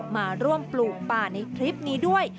มาร่วมปลูกป่าในคลิปนี้ด้วย